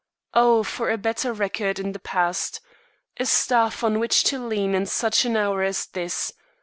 Oh, for a better record in the past! a staff on which to lean in such an hour as this!